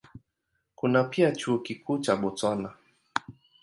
Kuna pia Chuo Kikuu cha Botswana.